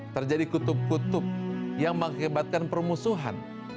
terjadi kutub kutub yang mengakibatkan permusuhan